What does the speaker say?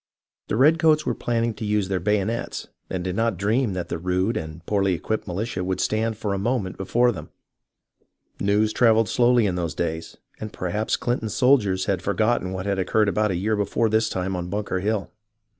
The redcoats were planning to use their bayonets, and did not dream that the rude and poorly equipped militia would stand for a moment before them. News travelled slowly in those days, and perhaps Clinton's soldiers had forgotten what had occurred about a year before this time on Bunker Hill.